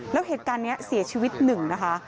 แล้วเหตุการณ์นี้เสียชีวิตหนึ่งนะคะ